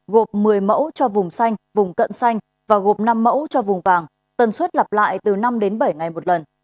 gộp một mươi mẫu cho vùng xanh vùng cận xanh và gộp năm mẫu cho vùng vàng tần suất lặp lại từ năm đến bảy ngày một lần